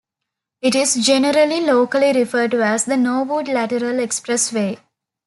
It is generally locally referred to as the Norwood Lateral Expressway.